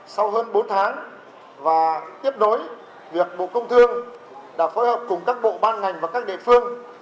sau hơn bốn tháng và tiếp đối việc bộ công thương đã phối hợp cùng các bộ ban ngành và các địa phương